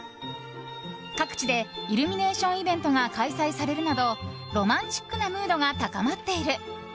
各地でイルミネーションイベントが開催されるなどロマンチックなムードが高まっている。